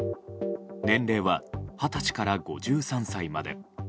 年齢は、２０歳から５３歳まで。